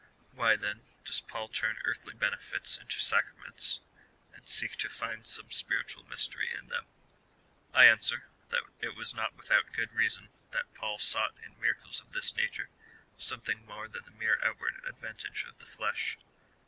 Why then does Paul turn earthly benefits into sacraments, and seek to find some spiritual mystery^ in them ? I answer, that it was not without good reason that Paul sought in miracles of this nature something more than the mere out ward advantage of the flesh.